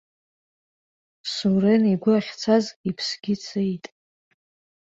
Сурен игәы ахьцаз иԥсгьы цеит.